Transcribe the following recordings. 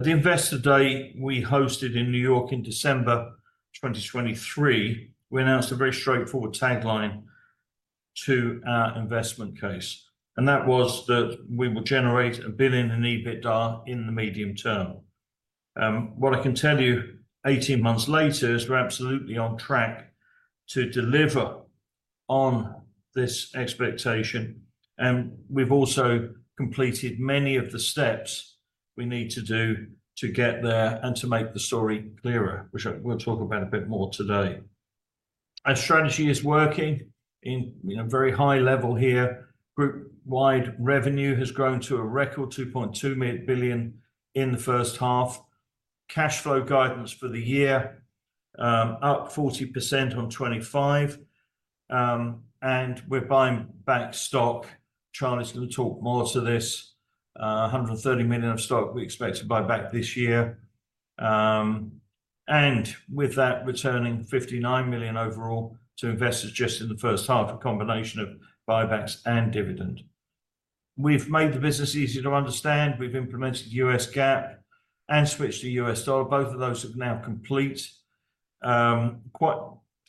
The Investor Day we hosted in New York in December 2023, we announced a very straightforward tagline to our investment case, and that was that we will generate a billion in EBITDA in the medium term. What I can tell you, 18 months later, is we're absolutely on track to deliver on this expectation, and we've also completed many of the steps we need to do to get there and to make the story clearer, which I will talk about a bit more today. Our strategy is working at a very high level here. Group-wide revenue has grown to a record $2.2 billion in the first half. Cash flow guidance for the year, up 40% on 2025. We're buying back stock. Charlie's going to talk more to this. $130 million of stock we expect to buy back this year, and with that returning $59 million overall to investors just in the first half, a combination of buybacks and dividends. We've made the business easy to understand. We've implemented US GAAP and switched to US dollar reporting. Both of those are now complete. Quite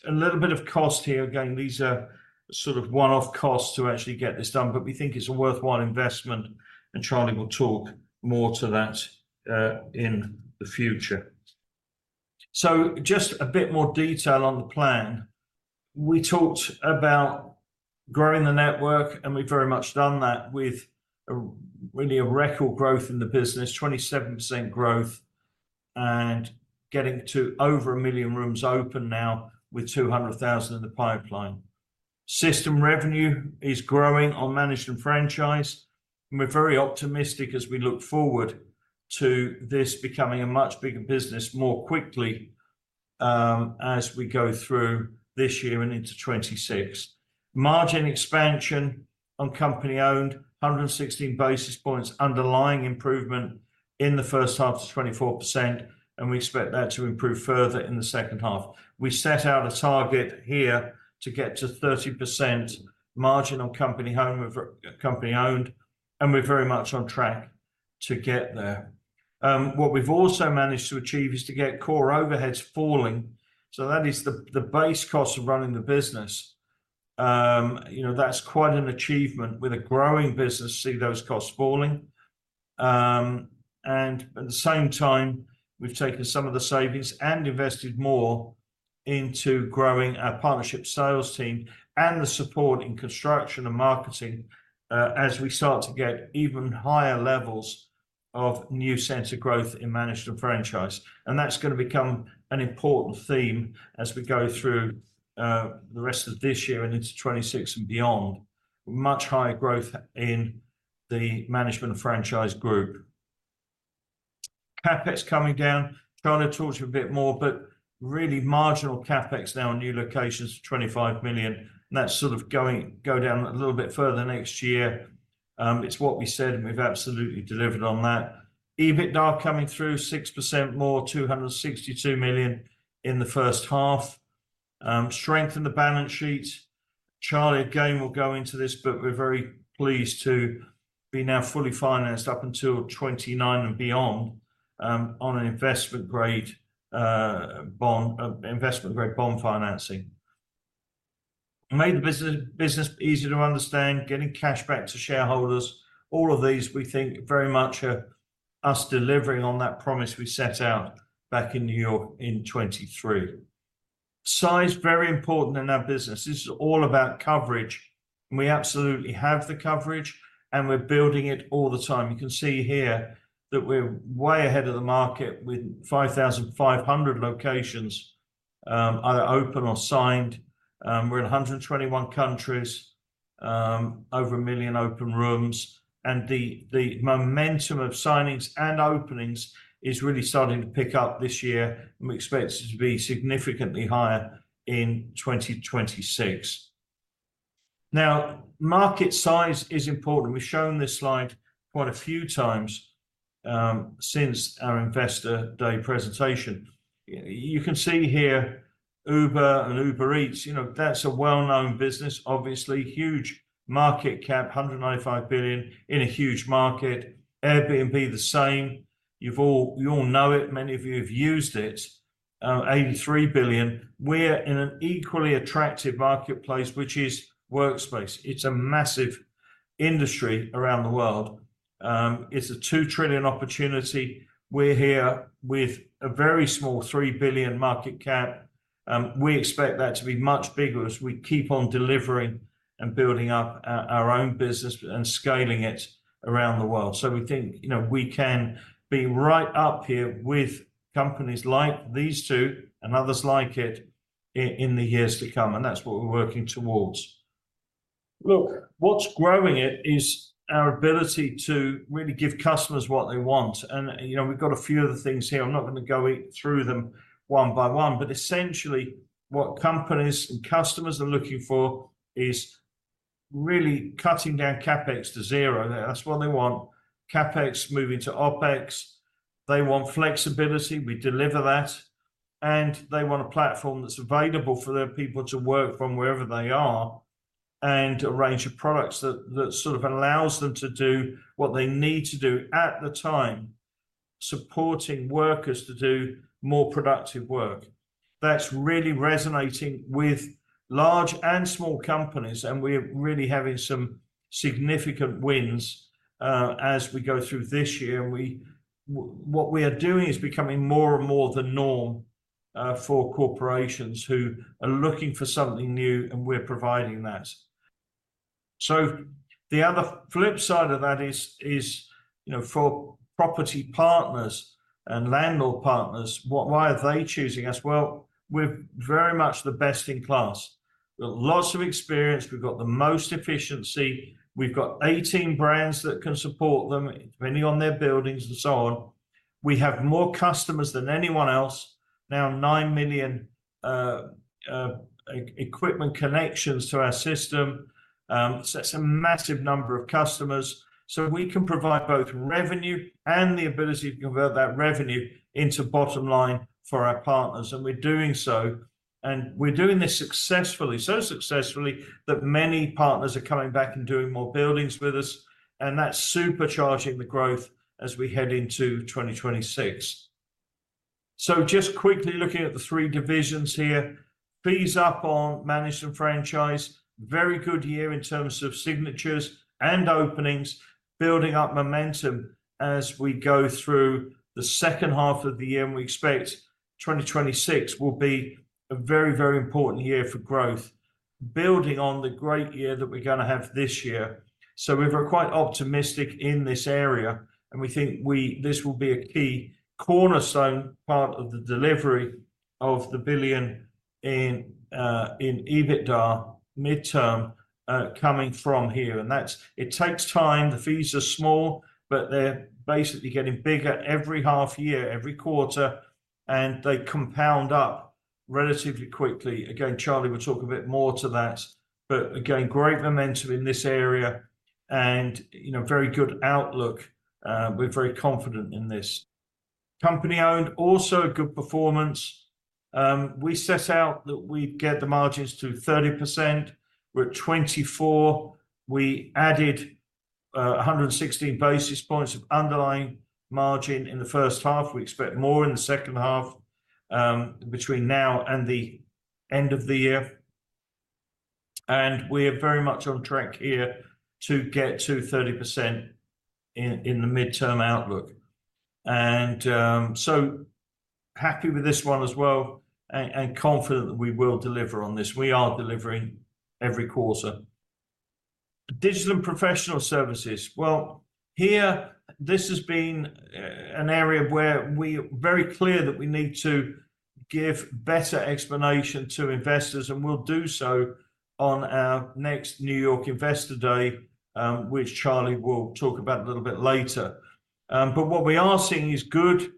a little bit of cost here. Again, these are sort of one-off costs to actually get this done, but we think it's a worthwhile investment, and Charlie will talk more to that in the future. Just a bit more detail on the plan. We talked about growing the network, and we've very much done that with really a record growth in the business, 27% growth, and getting to over a million rooms open now with 200,000 in the pipeline. System revenue is growing on managed and franchised centers. We're very optimistic as we look forward to this becoming a much bigger business more quickly as we go through this year and into 2026. Margin expansion on company-owned, 116 basis points underlying improvement in the first half to 24%, and we expect that to improve further in the second half. We set out a target here to get to 30% margin on company-owned, and we're very much on track to get there. What we've also managed to achieve is to get core overheads falling. That is the base cost of running the business. That's quite an achievement with a growing business to see those costs falling. At the same time, we've taken some of the savings and invested more into growing our partnership sales team and the support in construction and marketing, as we start to get even higher levels of new sense of growth in managed and franchised centers. That's going to become an important theme as we go through the rest of this year and into 2026 and beyond. Much higher growth in the management franchise group. CapEx coming down. Charlie talked to you a bit more, but really marginal CapEx now in new locations for $25 million. That's sort of going to go down a little bit further next year. It's what we said, and we've absolutely delivered on that. EBITDA coming through 6% more, $262 million in the first half. Strengthen the balance sheets. Charlie, again, will go into this, but we're very pleased to be now fully financed up until 2029 and beyond, on an investment-grade bond financing. Made the business easy to understand, getting cash back to shareholders. All of these, we think, very much are us delivering on that promise we set out back in New York in 2023. Size, very important in our business. This is all about coverage. We absolutely have the coverage, and we're building it all the time. You can see here that we're way ahead of the market with 5,500 locations, either open or signed. We're in 121 countries, over a million open rooms, and the momentum of signings and openings is really starting to pick up this year. We expect it to be significantly higher in 2026. Now, market size is important. We've shown this slide quite a few times, since our Investor Day presentation. You can see here Uber and Uber Eats. You know, that's a well-known business, obviously huge market cap, $195 billion in a huge market. Airbnb, the same. You all, you all know it. Many of you have used it. $83 billion. We're in an equally attractive marketplace, which is workspace. It's a massive industry around the world. It's a $2 trillion opportunity. We're here with a very small $3 billion market cap. We expect that to be much bigger as we keep on delivering and building up our own business and scaling it around the world. We think, you know, we can be right up here with companies like these two and others like it in the years to come, and that's what we're working towards. Look, what's growing it is our ability to really give customers what they want. We've got a few other things here. I'm not going to go through them one by one, but essentially what companies and customers are looking for is really cutting their CapEx to zero. That's what they want. CapEx moving to OpEx. They want flexibility. We deliver that. They want a platform that's available for their people to work from wherever they are and a range of products that sort of allows them to do what they need to do at the time, supporting workers to do more productive work. That's really resonating with large and small companies, and we're really having some significant wins as we go through this year. What we are doing is becoming more and more the norm for corporations who are looking for something new, and we're providing that. The other flip side of that is, for property partners and landlord partners, why are they choosing us? We're very much the best in class. We've got lots of experience. We've got the most efficiency. We've got 18 brands that can support them, depending on their buildings and so on. We have more customers than anyone else. Now, 9 million equipment connections to our system, so that's a massive number of customers. We can provide both revenue and the ability to convert that revenue into bottom line for our partners. We're doing so, and we're doing this successfully, so successfully that many partners are coming back and doing more buildings with us. That's supercharging the growth as we head into 2026. Just quickly looking at the three divisions here, fees up on management franchise, very good year in terms of signatures and openings, building up momentum as we go through the second half of the year. We expect 2026 will be a very, very important year for growth, building on the great year that we're going to have this year. We're quite optimistic in this area, and we think this will be a key cornerstone part of the delivery of the billion in EBITDA midterm coming from here. It takes time. The fees are small, but they're basically getting bigger every half year, every quarter, and they compound up relatively quickly. Charlie will talk a bit more to that, but again, great momentum in this area and very good outlook. We're very confident in this. Company-owned, also good performance. We set out that we'd get the margins to 30%. We're at 24%. We added 116 basis points of underlying margin in the first half. We expect more in the second half between now and the end of the year. We are very much on track here to get to 30% in the midterm outlook. Happy with this one as well and confident that we will deliver on this. We are delivering every quarter. Digital and professional services. This has been an area where we are very clear that we need to give better explanation to investors, and we'll do so on our next New York Investor Day, which Charlie will talk about a little bit later. What we are seeing is good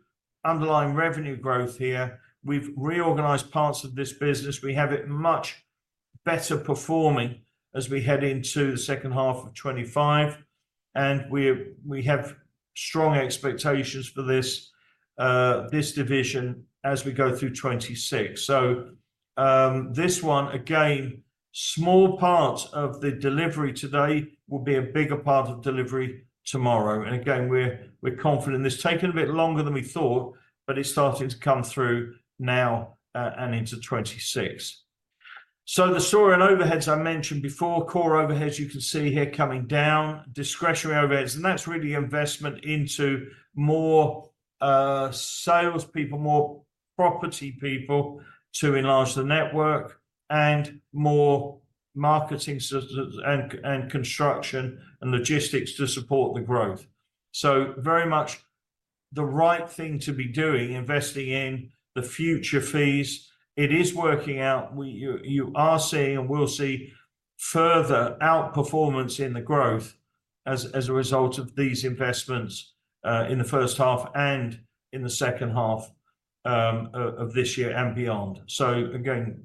underlying revenue growth here. We've reorganized parts of this business. We have it much better performing as we head into the second half of 2025, and we have strong expectations for this division as we go through 2026. This one, again, small parts of the delivery today will be a bigger part of delivery tomorrow. We're confident in this. Taken a bit longer than we thought, but it's starting to come through now and into 2026. The store and overheads I mentioned before, core overheads, you can see here coming down, discretionary overheads, and that's really investment into more salespeople, more property people to enlarge the network, and more marketing and construction and logistics to support the growth. Very much the right thing to be doing, investing in the future fees. It is working out. You are seeing and will see further outperformance in the growth as a result of these investments, in the first half and in the second half of this year and beyond. The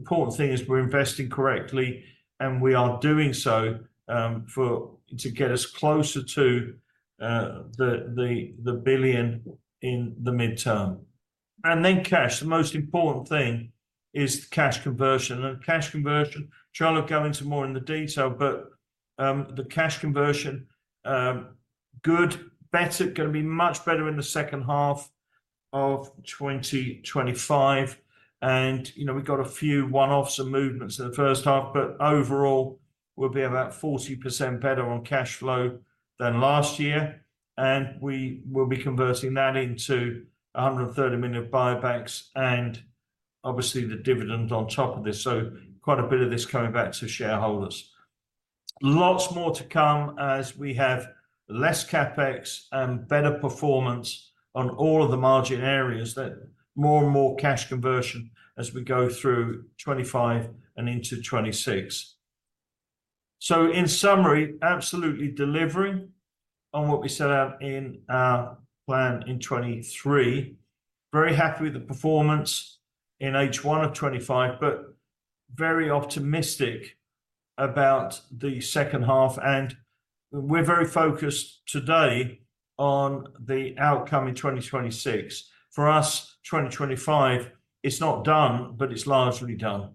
important thing is we're investing correctly and we are doing so to get us closer to the billion in the midterm. Cash. The most important thing is the cash conversion. Cash conversion, Charlie will go into more in the detail, but the cash conversion, good. Bet it's going to be much better in the second half of 2025. We've got a few one-offs and movements in the first half, but overall, we'll be about 40% better on cash flow than last year. We will be converting that into $130 million buybacks and obviously the dividends on top of this. Quite a bit of this coming back to shareholders. Lots more to come as we have less CapEx and better performance on all of the margin areas, that more and more cash conversion as we go through 2025 and into 2026. In summary, absolutely delivering on what we set out in our plan in 2023. Very happy with the performance in H1 of 2025, but very optimistic about the second half. We're very focused today on the outcome in 2026. For us, 2025 is not done, but it's largely done.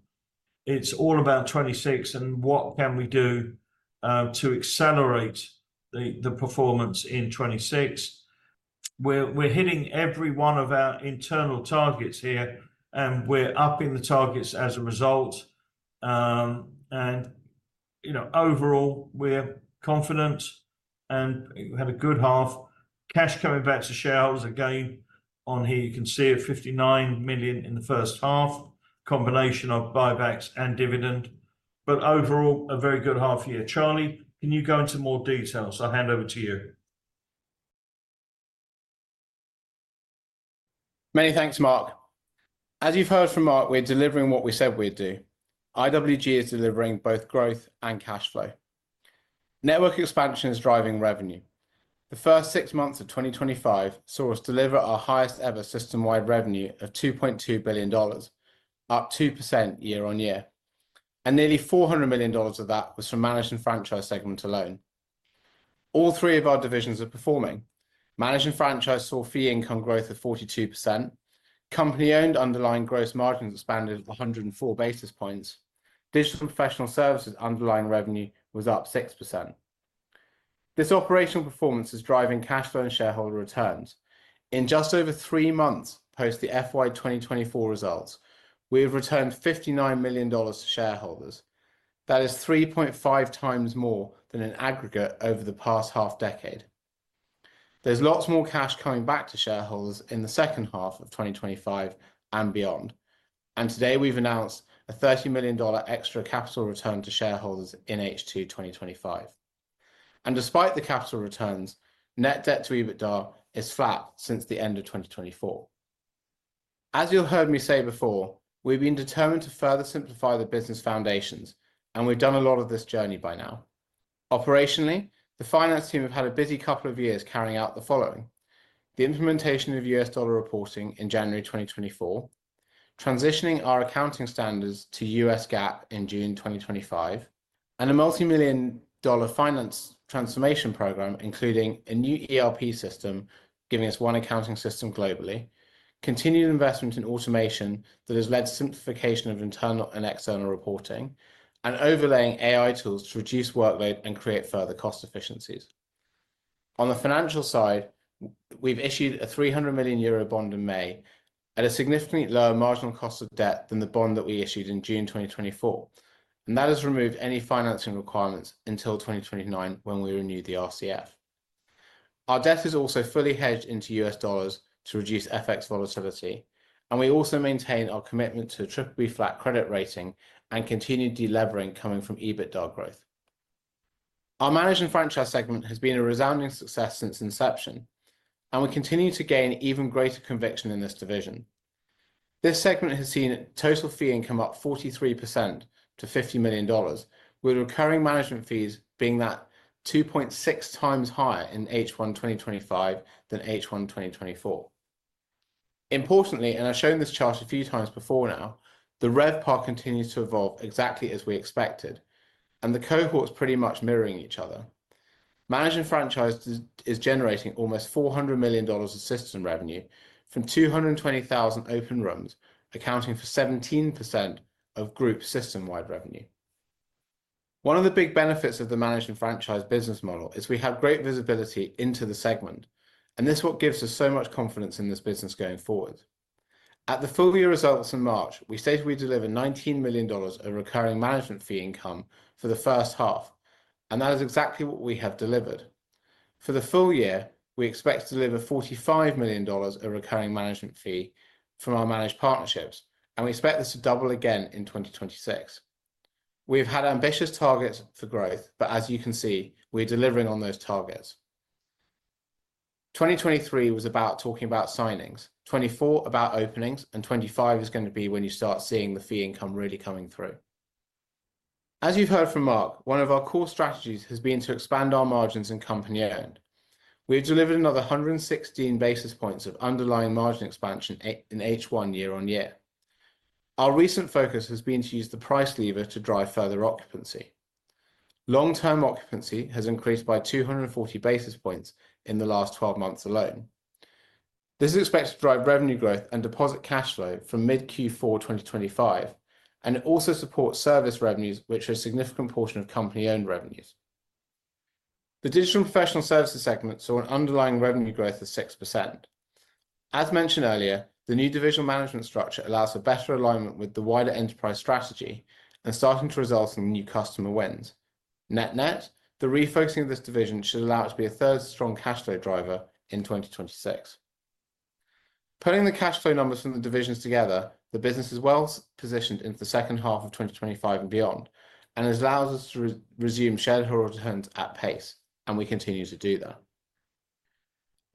It's all about 2026 and what can we do to accelerate the performance in 2026. We're hitting every one of our internal targets here, and we're upping the targets as a result. Overall, we're confident and we had a good half. Cash coming back to shareholders again on here. You can see it, $59 million in the first half, combination of buybacks and dividend. Overall, a very good half year. Charlie, can you go into more details? I'll hand over to you. Many thanks, Mark. As you've heard from Mark, we're delivering what we said we'd do. IWG is delivering both growth and cash flow. Network expansion is driving revenue. The first six months of 2025 saw us deliver our highest ever system-wide revenue of $2.2 billion, up 2% year on year. Nearly $400 million of that was from managed and franchised segments alone. All three of our divisions are performing. Managed and franchised saw fee income growth of 42%. Company-owned underlying gross margins expanded 104 basis points. Digital professional services underlying revenue was up 6%. This operational performance is driving cash flow and shareholder returns. In just over three months post the FY 2024 results, we have returned $59 million to shareholders. That is 3.5x more than an aggregate over the past half decade. There is lots more cash coming back to shareholders in the second half of 2025 and beyond. Today we've announced a $30 million extra capital return to shareholders in H2 2025. Despite the capital returns, net debt to EBITDA is flat since the end of 2024. As you've heard me say before, we've been determined to further simplify the business foundations, and we've done a lot of this journey by now. Operationally, the finance team have had a busy couple of years carrying out the following: the implementation of US dollar reporting in January 2024, transitioning our accounting standards to US GAAP in June 2025, and a multimillion-dollar finance transformation program, including a new ERP system giving us one accounting system globally, continued investment in automation that has led to simplification of internal and external reporting, and overlaying AI tools to reduce workload and create further cost efficiencies. On the financial side, we've issued a 300 million euro bond in May at a significantly lower marginal cost of debt than the bond that we issued in June 2024. That has removed any financing requirements until 2029 when we renew the RCF. Our debt is also fully hedged into US dollars to reduce FX volatility, and we also maintain our commitment to a BBB flat credit rating and continued delevering coming from EBITDA growth. Our managed and franchised segment has been a resounding success since inception, and we continue to gain even greater conviction in this division. This segment has seen total fee income up 43% to $50 million, with recurring management fees being that 2.6x higher in H1 2025 than H1 2024. Importantly, and I've shown this chart a few times before now, the rev part continues to evolve exactly as we expected, and the cohorts are pretty much mirroring each other. Managed and franchised centers are generating almost $400 million of system revenue from 220,000 open rooms, accounting for 17% of group system-wide revenue. One of the big benefits of the managed and franchised centers business model is we have great visibility into the segment, and this is what gives us so much confidence in this business going forward. At the full year results in March, we stated we'd deliver $19 million of recurring management fee income for the first half, and that is exactly what we have delivered. For the full year, we expect to deliver $45 million of recurring management fee from our managed partnerships, and we expect this to double again in 2026. We've had ambitious targets for growth, but as you can see, we're delivering on those targets. 2023 was about talking about signings, 2024 about openings, and 2025 is going to be when you start seeing the fee income really coming through. As you've heard from Mark, one of our core strategies has been to expand our margins in company-owned. We've delivered another 116 basis points of underlying margin expansion in H1 year on year. Our recent focus has been to use the price lever to drive further occupancy. Long-term occupancy has increased by 240 basis points in the last 12 months alone. This is expected to drive revenue growth and deposit cash flow from mid-Q4 2025, and it also supports service revenues, which are a significant portion of company-owned revenues. The digital professional services segment saw an underlying revenue growth of 6%. As mentioned earlier, the new divisional management structure allows for better alignment with the wider enterprise strategy and is starting to result in new customer wins. Net-net, the refocusing of this division should allow it to be a third strong cash flow driver in 2026. Pulling the cash flow numbers from the divisions together, the business is well positioned into the second half of 2025 and beyond, and it allows us to resume shareholder returns at pace, and we continue to do that.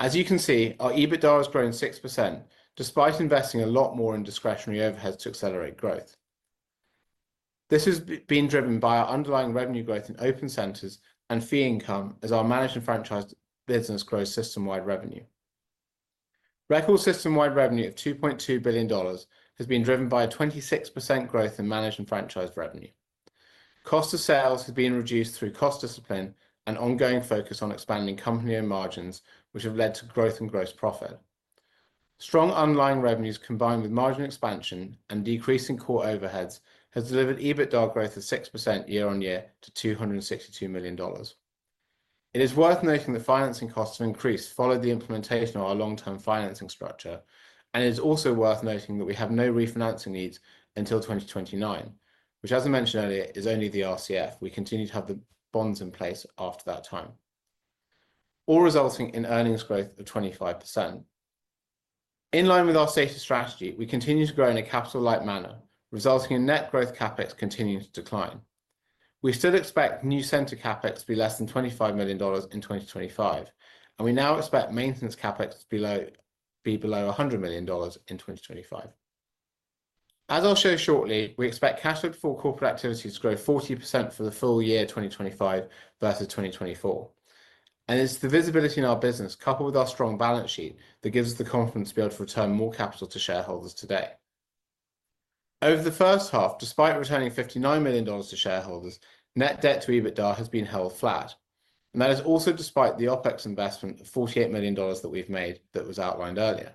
As you can see, our EBITDA has grown 6% despite investing a lot more in discretionary overheads to accelerate growth. This has been driven by our underlying revenue growth in open centers and fee income as our managed and franchised centers business grows system-wide revenue. Record system-wide revenue at $2.2 billion has been driven by a 26% growth in managed and franchise revenue. Cost of sales has been reduced through cost discipline and ongoing focus on expanding company-owned margins, which have led to growth in gross profit. Strong underlying revenues combined with margin expansion and decreasing core overheads has delivered EBITDA growth of 6% year on year to $262 million. It is worth noting that financing costs have increased following the implementation of our long-term financing structure, and it is also worth noting that we have no refinancing needs until 2029, which, as I mentioned earlier, is only the RCF. We continue to have the bonds in place after that time, all resulting in earnings growth of 25%. In line with our stated strategy, we continue to grow in a capital-light manner, resulting in net growth CapEx continuing to decline. We still expect new center CapEx to be less than $25 million in 2025, and we now expect maintenance CapEx to be below $100 million in 2025. As I'll show shortly, we expect cash flow before corporate activities to grow 40% for the full year 2025 versus 2024. It's the visibility in our business, coupled with our strong balance sheet, that gives us the confidence to be able to return more capital to shareholders today. Over the first half, despite returning $59 million to shareholders, net debt to EBITDA has been held flat. That is also despite the OpEx investment of $48 million that we've made that was outlined earlier.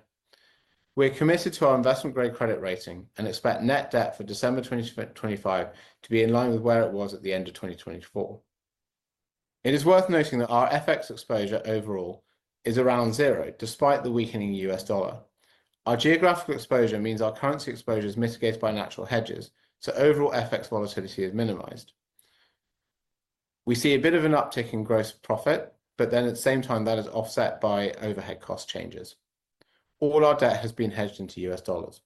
We're committed to our investment-grade credit rating and expect net debt for December 2025 to be in line with where it was at the end of 2024. It is worth noting that our FX exposure overall is around zero, despite the weakening US dollar. Our geographical exposure means our currency exposure is mitigated by natural hedges, so overall FX volatility is minimized. We see a bit of an uptick in gross profit, but at the same time, that is offset by overhead cost changes. All our debt has been hedged into US dollars.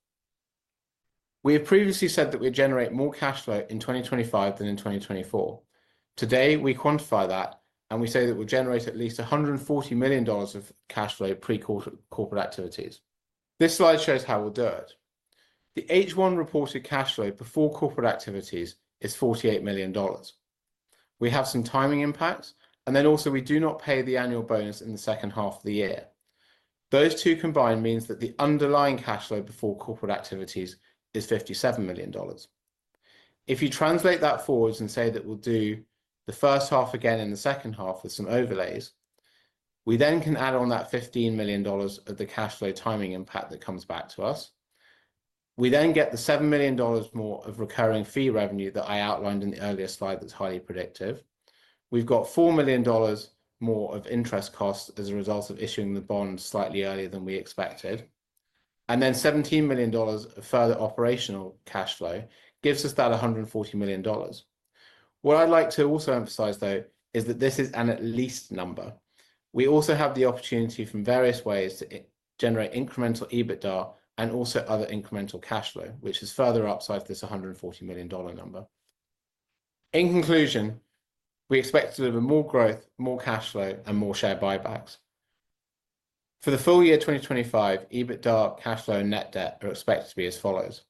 We have previously said that we'd generate more cash flow in 2025 than in 2024. Today, we quantify that, and we say that we'll generate at least $140 million of cash flow pre-corporate activities. This slide shows how we'll do it. The H1 reported cash flow before corporate activities is $48 million. We have some timing impacts, and also we do not pay the annual bonus in the second half of the year. Those two combined mean that the underlying cash flow before corporate activities is $57 million. If you translate that forwards and say that we'll do the first half again in the second half with some overlays, we then can add on that $15 million of the cash flow timing impact that comes back to us. We then get the $7 million more of recurring fee revenue that I outlined in the earlier slide that's highly predictive. We've got $4 million more of interest costs as a result of issuing the bonds slightly earlier than we expected. Then $17 million of further operational cash flow gives us that $140 million. What I'd like to also emphasize, though, is that this is an at least number. We also have the opportunity from various ways to generate incremental EBITDA and also other incremental cash flow, which is further upside to this $140 million number. In conclusion, we expect to deliver more growth, more cash flow, and more share buybacks. For the full year 2025, EBITDA, cash flow, and net debt are expected to be as follows.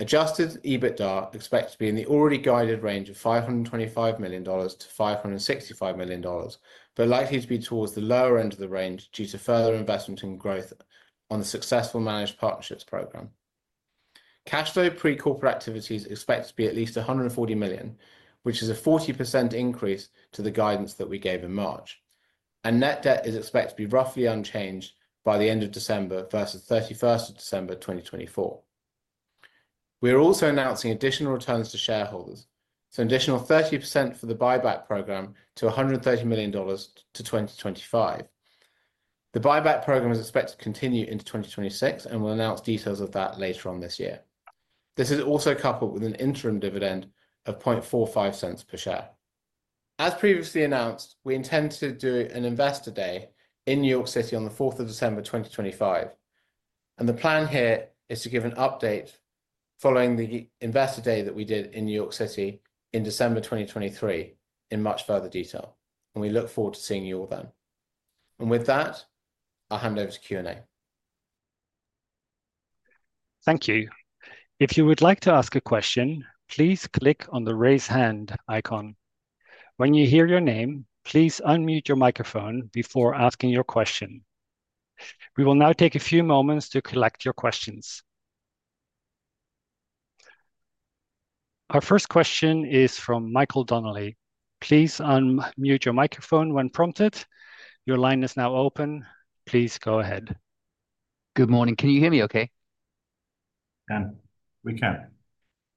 Adjusted EBITDA is expected to be in the already guided range of $525 million-$565 million, but likely to be towards the lower end of the range due to further investment and growth on the successful managed partnerships program. Cash flow pre-corporate activities are expected to be at least $140 million, which is a 40% increase to the guidance that we gave in March. Net debt is expected to be roughly unchanged by the end of December versus 31st of December 2024. We're also announcing additional returns to shareholders, so an additional 30% for the buyback program to $130 million to 2025. The buyback program is expected to continue into 2026 and we'll announce details of that later on this year. This is also coupled with an interim dividend of $0.0045 per share. As previously announced, we intend to do an Investor Day in New York City on the 4th of December 2025. The plan here is to give an update following the Investor Day that we did in New York City in December 2023 in much further detail. We look forward to seeing you all then. With that, I'll hand over to Q&A. Thank you. If you would like to ask a question, please click on the raise hand icon. When you hear your name, please unmute your microphone before asking your question. We will now take a few moments to collect your questions. Our first question is from Michael Donnelly. Please unmute your microphone when prompted. Your line is now open. Please go ahead. Good morning. Can you hear me okay? We can.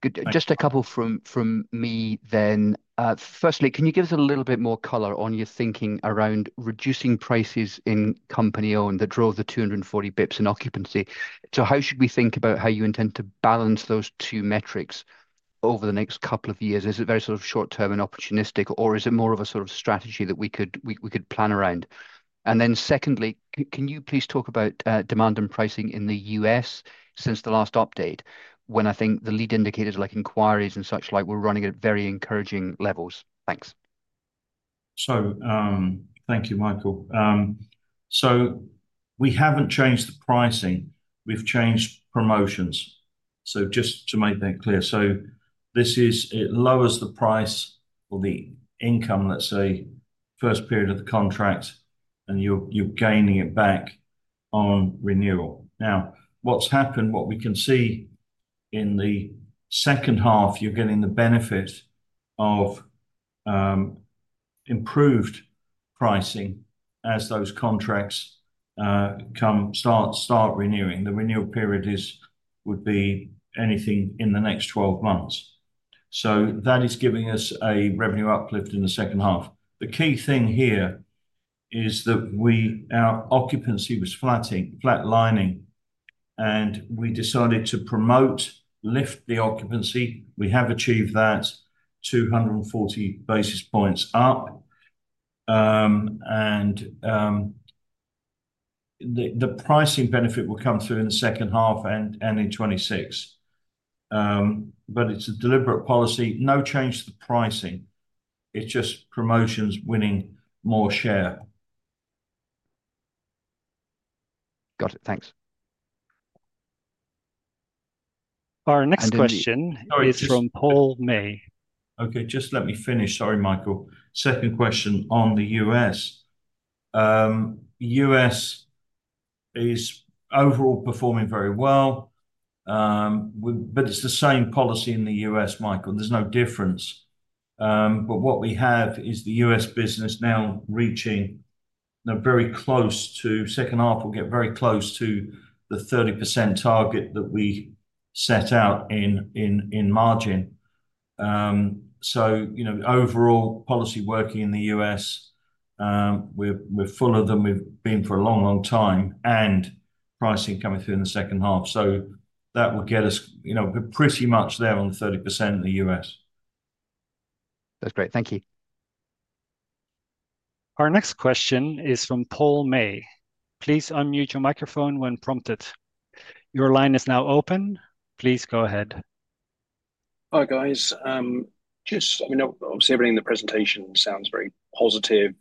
Good. Just a couple from me then. Firstly, can you give us a little bit more color on your thinking around reducing prices in company-owned that drove the 240 bps in occupancy? How should we think about how you intend to balance those two metrics over the next couple of years? Is it very sort of short-term and opportunistic, or is it more of a sort of strategy that we could plan around? Secondly, can you please talk about demand and pricing in the US since the last update when I think the lead indicators like inquiries and such like were running at very encouraging levels? Thanks. Thank you, Michael. We haven't changed the pricing. We've changed promotions. Just to make that clear, this lowers the price or the income, let's say, first period of the contract, and you're gaining it back on renewal. Now, what we can see in the second half, you're getting the benefit of improved pricing as those contracts start renewing. The renewal period would be anything in the next 12 months. That is giving us a revenue uplift in the second half. The key thing here is that our occupancy was flatlining, and we decided to promote, lift the occupancy. We have achieved that, 240 basis points up, and the pricing benefit will come through in the second half and in 2026. It's a deliberate policy. No change to the pricing. It's just promotions winning more share. Got it. Thanks. Our next question is from Paul May. Okay, just let me finish. Sorry, Michael. Second question on the US. US is overall performing very well, but it's the same policy in the US, Michael. There's no difference. What we have is the US business now reaching very close to second half will get very close to the 30% target that we set out in margin. Overall policy working in the US, we're full of them. We've been for a long, long time, and pricing coming through in the second half. That will get us pretty much there on the 30% in the US. That's great. Thank you. Our next question is from Paul May. Please unmute your microphone when prompted. Your line is now open. Please go ahead. Hi, guys. Obviously, everything in the presentation sounds very positive,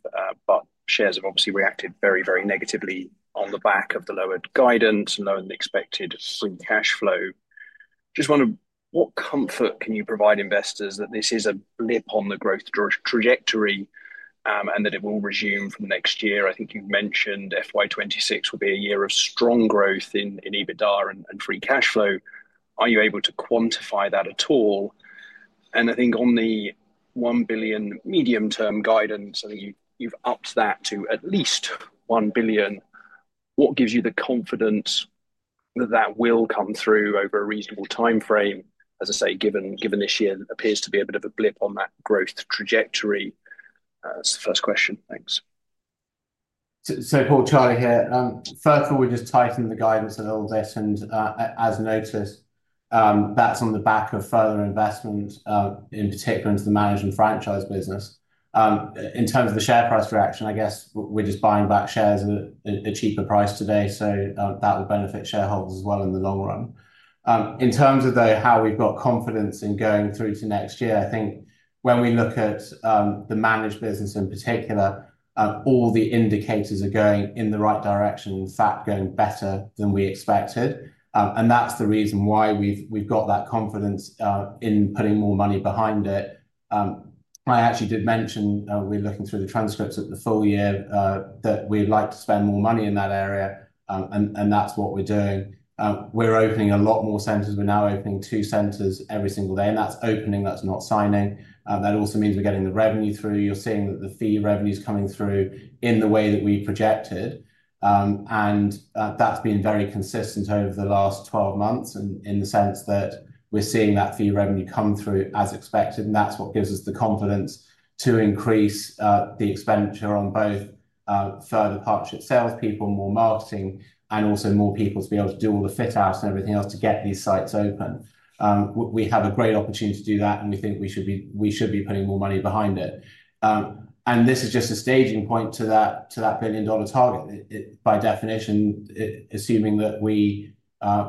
but shares have obviously reacted very, very negatively on the back of the lowered guidance and lower than expected free cash flow. What comfort can you provide investors that this is a blip on the growth trajectory and that it will resume from next year? I think you've mentioned FY 2026 will be a year of strong growth in EBITDA and free cash flow. Are you able to quantify that at all? On the $1 billion medium-term guidance, I think you've upped that to at least $1 billion. What gives you the confidence that that will come through over a reasonable time frame? Given this year appears to be a bit of a blip on that growth trajectory. That's the first question. Thanks. Paul, Charlie here. First of all, we just tightened the guidance a little bit, and as noticed, that's on the back of further investment, in particular into the managed and franchised centers business. In terms of the share price direction, I guess we're just buying back shares at a cheaper price today. That will benefit shareholders as well in the long run. In terms of how we've got confidence in going through to next year, I think when we look at the managed business in particular, all the indicators are going in the right direction, in fact, going better than we expected. That's the reason why we've got that confidence in putting more money behind it. I actually did mention we're looking through the transcripts at the full year that we'd like to spend more money in that area, and that's what we're doing. We're opening a lot more centers. We're now opening two centers every single day. That's opening, that's not signing. That also means we're getting the revenue through. You're seeing that the fee income is coming through in the way that we projected. That's been very consistent over the last 12 months in the sense that we're seeing that fee income come through as expected. That's what gives us the confidence to increase the expenditure on both further partnerships, salespeople, more marketing, and also more people to be able to do all the fit-outs and everything else to get these sites open. We have a great opportunity to do that, and we think we should be putting more money behind it. This is just a staging point to that billion-dollar target. By definition, assuming that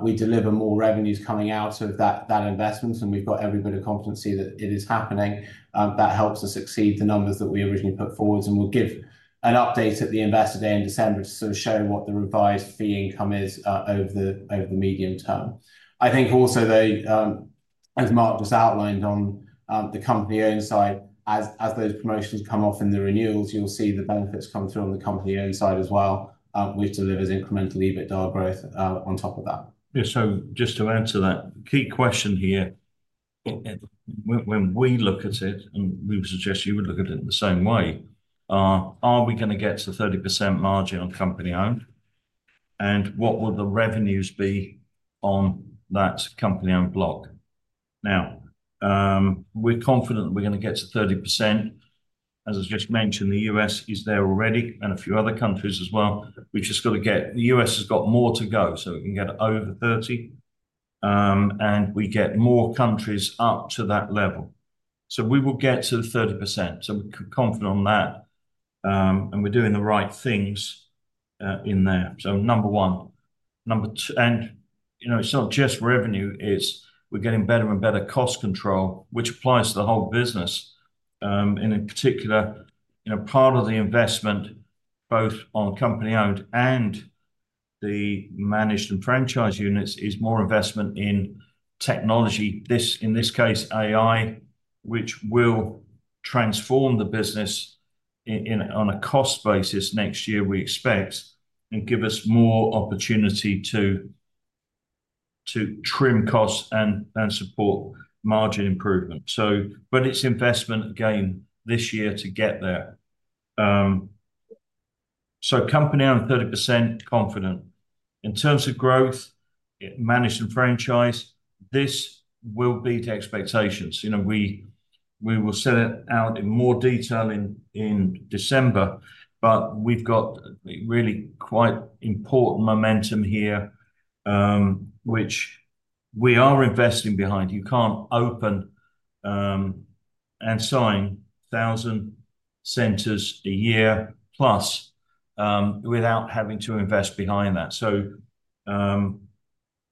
we deliver more revenues coming out of that investment, and we've got every bit of confidence that it is happening, that helps us exceed the numbers that we originally put forward. We'll give an update at the Investor Day in December to sort of show what the revised fee income is over the medium term. I think also, as Mark just outlined on the company-owned side, as those promotions come off in the renewals, you'll see the benefits coming through on the company-owned side as well, which delivers incremental EBITDA growth on top of that. Yeah, so just to answer that key question here, when we look at it, and we would suggest you would look at it in the same way, are we going to get to 30% margin on company-owned? And what will the revenues be on that company-owned block? Now, we're confident that we're going to get to 30%. As I've just mentioned, the US is there already and a few other countries as well. We've just got to get the US has got more to go so we can get over 30%, and we get more countries up to that level. We will get to 30%. We're confident on that, and we're doing the right things in there. Number one. Number two, and you know, it's not just revenue. We're getting better and better cost control, which applies to the whole business. In particular, part of the investment both on company-owned and the managed and franchised centers is more investment in technology, in this case AI, which will transform the business on a cost basis next year, we expect, and give us more opportunity to trim costs and support margin improvement. It's investment again this year to get there. Company-owned 30% confident. In terms of growth, managed and franchised, this will beat expectations. We will set it out in more detail in December, but we've got really quite important momentum here, which we are investing behind. You can't open and sign 1,000 centers a year plus without having to invest behind that.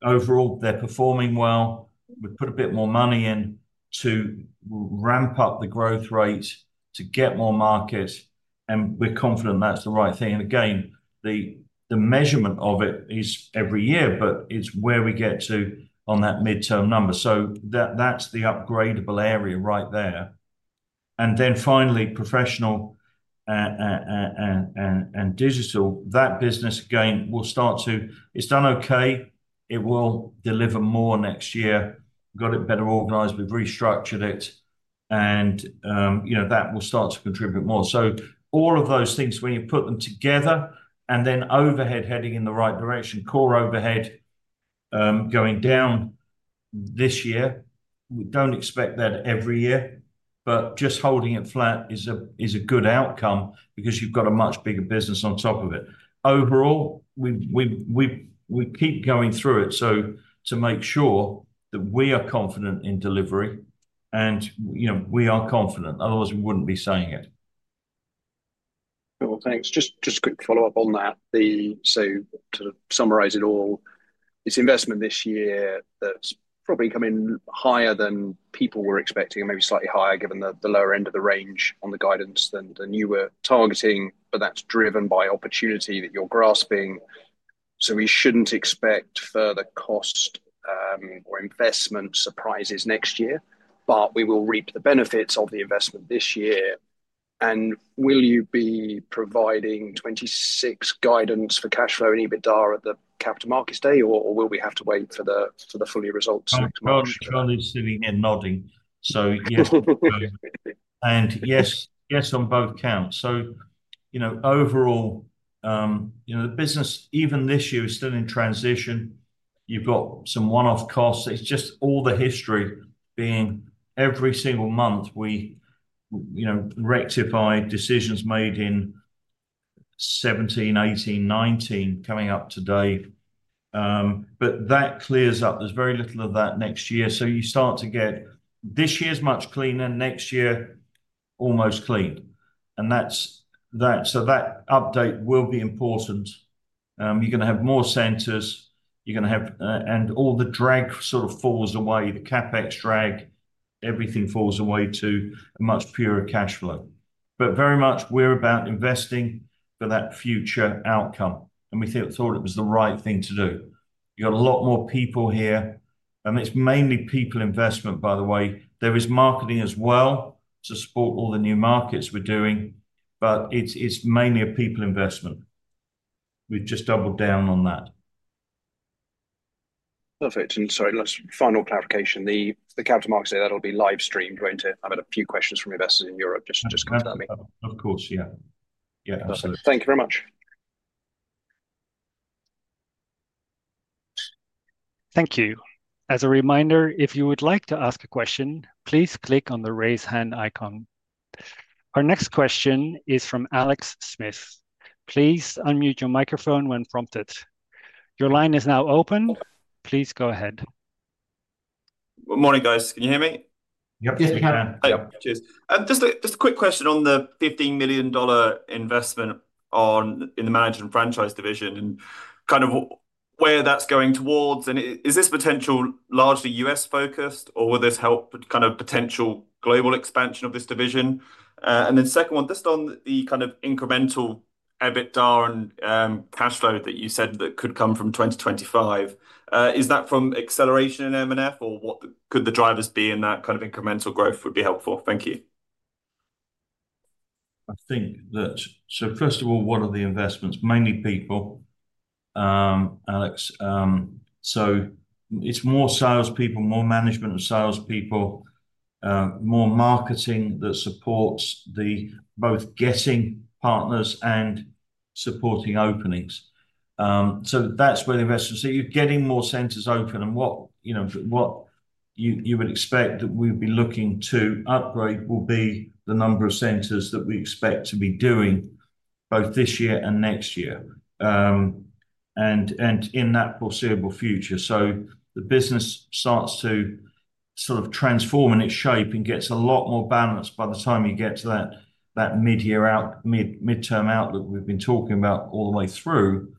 Overall, they're performing well. We've put a bit more money in to ramp up the growth rate to get more markets, and we're confident that's the right thing. The measurement of it is every year, but it's where we get to on that medium-term number. That's the upgradable area right there. Finally, professional and digital, that business again will start to, it's done okay. It will deliver more next year. Got it better organized. We've restructured it, and you know, that will start to contribute more. All of those things, when you put them together and then overhead heading in the right direction, core overhead going down this year, we don't expect that every year, but just holding it flat is a good outcome because you've got a much bigger business on top of it. Overall, we keep going through it to make sure that we are confident in delivery, and you know, we are confident. Otherwise, we wouldn't be saying it. Thank you. Just a quick follow-up on that. To summarize it all, it's investment this year that's probably coming higher than people were expecting, and maybe slightly higher given the lower end of the range on the guidance than you were targeting, but that's driven by opportunity that you're grasping. We shouldn't expect further cost or investment surprises next year, but we will reap the benefits of the investment this year. Will you be providing 2026 guidance for cash flow and EBITDA at the Investor Day, or will we have to wait for the full year results? Charlie’s sitting here nodding. Yes, yes, on both counts. Overall, the business even this year is still in transition. You’ve got some one-off costs. It’s just all the history being every single month we rectify decisions made in 2017, 2018, 2019 coming up today. That clears up. There’s very little of that next year. You start to get this year’s much cleaner, next year almost clean. That update will be important. You’re going to have more centers. You’re going to have, and all the drag sort of falls away. The CapEx drag, everything falls away to a much purer cash flow. Very much we’re about investing for that future outcome. We thought it was the right thing to do. You’ve got a lot more people here. It’s mainly people investment, by the way. There is marketing as well to support all the new markets we’re doing, but it’s mainly a people investment. We’ve just doubled down on that. Perfect. Sorry, last final clarification. The Capital Markets Day, that'll be live streamed, won't it? I've had a few questions from investors in Europe. Just confirming. Of course, yeah. Absolutely. Thank you very much. Thank you. As a reminder, if you would like to ask a question, please click on the raise hand icon. Our next question is from Alex Smith. Please unmute your microphone when prompted. Your line is now open. Please go ahead. Good morning, guys. Can you hear me? Yes, we can. Yeah, cheers. Just a quick question on the $15 million investment in the managed and franchised division and kind of where that's going towards. Is this potential largely U.S.-focused, or will this help kind of potential global expansion of this division? Second one, just on the kind of incremental EBITDA and cash flow that you said that could come from 2025. Is that from acceleration in M&F, or what could the drivers be in that kind of incremental growth would be helpful? Thank you. I think that, so first of all, what are the investments? Mainly people, Alex. It's more salespeople, more management of salespeople, more marketing that supports both getting partners and supporting openings. That's where the investments are. You're getting more centers open. What you would expect that we'd be looking to upgrade will be the number of centers that we expect to be doing both this year and next year and in that foreseeable future. The business starts to sort of transform in its shape and gets a lot more balanced by the time you get to that mid-year out, midterm outlook we've been talking about all the way through,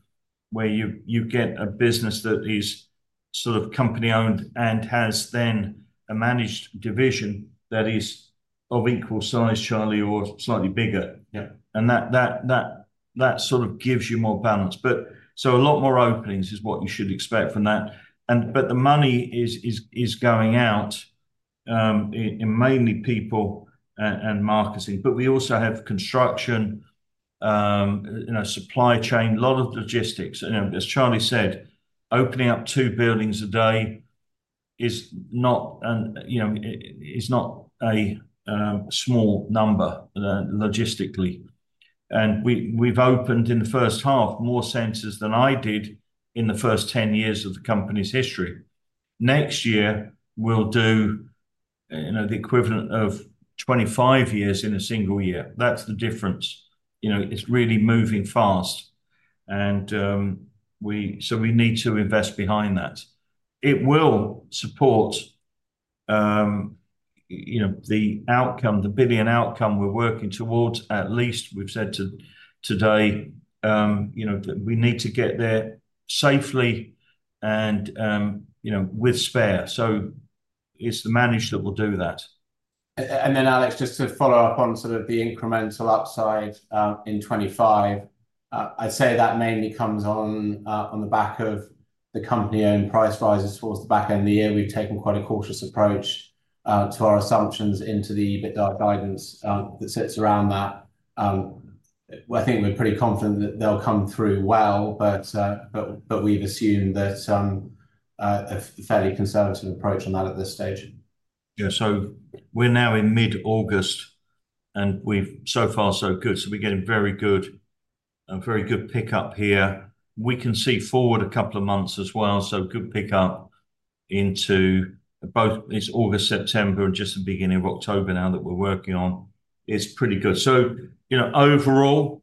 where you get a business that is sort of company-owned and has then a managed division that is of equal size, Charlie, or slightly bigger. That sort of gives you more balance. A lot more openings is what you should expect from that. The money is going out in mainly people and marketing. We also have construction, supply chain, a lot of logistics. As Charlie said, opening up two buildings a day is not a small number logistically. We've opened in the first half more centers than I did in the first 10 years of the company's history. Next year, we'll do the equivalent of 25 years in a single year. That's the difference. It's really moving fast. We need to invest behind that. It will support the outcome, the billion outcome we're working towards, at least we've said today, we need to get there safely and with spare. It's the managed that will do that. Alex, just to follow up on sort of the incremental upside in 2025, I'd say that mainly comes on the back of the company-owned price rises towards the back end of the year. We've taken quite a cautious approach to our assumptions into the EBITDA guidance that sits around that. We're thinking we're pretty confident that they'll come through well, but we've assumed a fairly conservative approach on that at this stage. Yeah, so we're now in mid-August, and so far so good. We're getting very good, very good pickup here. We can see forward a couple of months as well. Good pickup into both this August, September, and just the beginning of October now that we're working on is pretty good. Overall,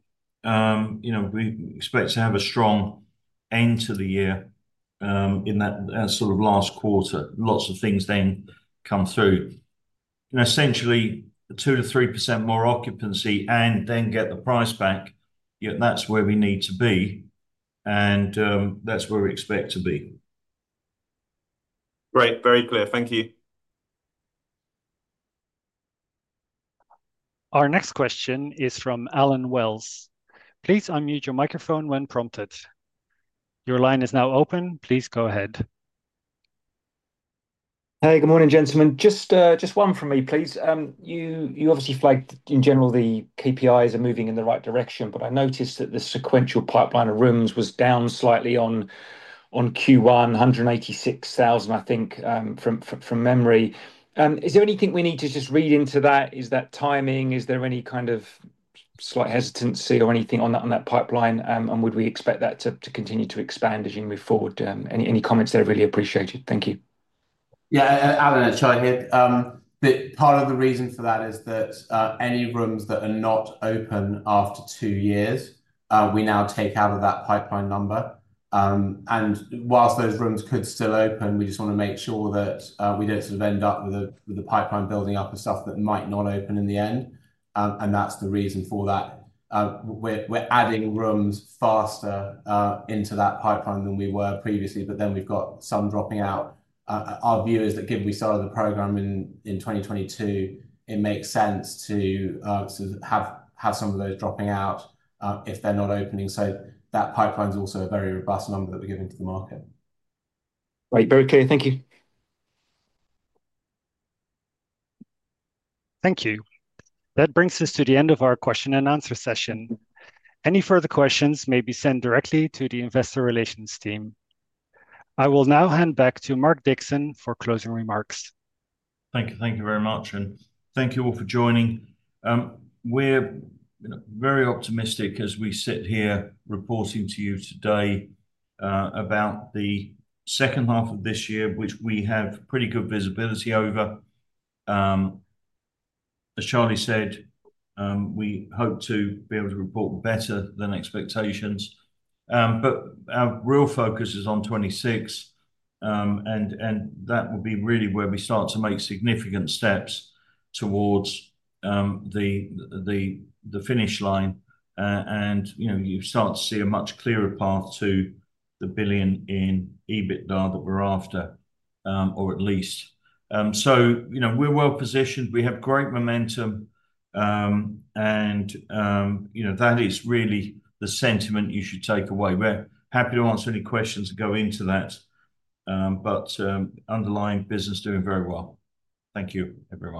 we expect to have a strong end to the year in that sort of last quarter. Lots of things then come through. Essentially, 2%-3% more occupancy and then get the price back. That's where we need to be, and that's where we expect to be. Great, very clear. Thank you. Our next question is from Alan Wells. Please unmute your microphone when prompted. Your line is now open. Please go ahead. Hey, good morning, gentlemen. Just one from me, please. You obviously flagged in general the KPIs are moving in the right direction, but I noticed that the sequential pipeline of rooms was down slightly on Q1, 186,000, I think, from memory. Is there anything we need to just read into that? Is that timing? Is there any kind of slight hesitancy or anything on that pipeline? Would we expect that to continue to expand as you move forward? Any comments there? Really appreciate it. Thank you. Yeah, Alan. Charlie here. Part of the reason for that is that any rooms that are not open after two years, we now take out of that pipeline number. Whilst those rooms could still open, we just want to make sure that we don't sort of end up with a pipeline building up of stuff that might not open in the end. That's the reason for that. We're adding rooms faster into that pipeline than we were previously, but we've got some dropping out. Our view is that given we started the program in 2022, it makes sense to have some of those dropping out if they're not opening. That pipeline is also a very robust number that we're giving to the market. Right, very clear. Thank you. Thank you. That brings us to the end of our question and answer session. Any further questions may be sent directly to the investor relations team. I will now hand back to Mark Dixon for closing remarks. Thank you. Thank you very much. Thank you all for joining. We're very optimistic as we sit here reporting to you today about the second half of this year, which we have pretty good visibility over. As Charlie said, we hope to be able to report better than expectations. Our real focus is on 2026, and that will be really where we start to make significant steps towards the finish line. You start to see a much clearer path to the billion in EBITDA that we're after, or at least. We're well positioned. We have great momentum, and that is really the sentiment you should take away. We're happy to answer any questions that go into that. Underlying business doing very well. Thank you everyone.